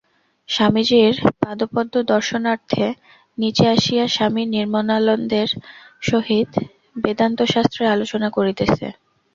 স্বামীজীর পাদপদ্ম-দর্শনান্তে নীচে আসিয়া স্বামী নির্মলানন্দের সহিত বেদান্তশাস্ত্রের আলোচনা করিতেছে।